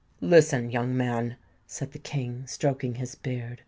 "Listen, young man," said the King, stroking his beard.